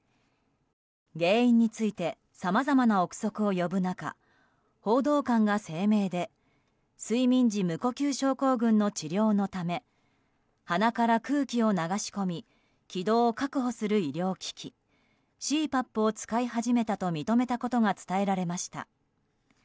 原因についてさまざまな憶測を呼ぶ中報道官が声明で睡眠時無呼吸症候群の治療のため鼻から空気を流し込み気道を確保する医療機器ＣＰＡＰを使い始めたと認めたことが伝えられました。